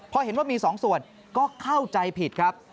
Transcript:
พอเห็นว่ามี๒ส่วนก็เข้าใจผิดครับ